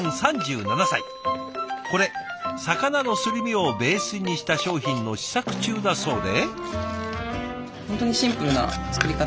これ魚のすり身をベースにした商品の試作中だそうで。